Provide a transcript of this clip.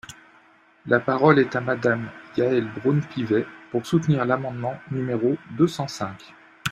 La parole est à Madame Yaël Braun-Pivet, pour soutenir l’amendement numéro deux cent cinq.